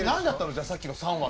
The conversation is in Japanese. じゃあさっきの「ＳＵＮ」は。